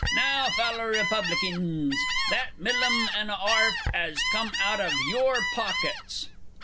Now, Feller Republikins, that millum an' a 'arf 'as come out of your pockets!